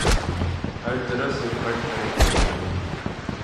ہر طرف سے پٹ رہے تھے۔